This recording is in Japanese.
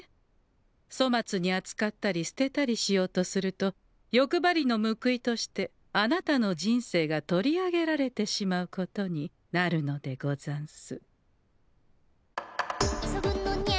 粗末にあつかったり捨てたりしようとするとよくばりの報いとしてあなたの人生がとりあげられてしまうことになるのでござんす。